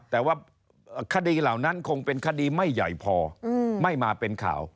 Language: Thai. แต่ว่าคดีเหล่านั้นคงเป็นคดีไม่ใหญ่พอไม่มาเป็นข่าว